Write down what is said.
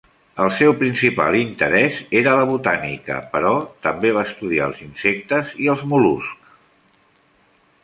El seu principal interès era la botànica però també va estudiar els insectes i els mol·luscs.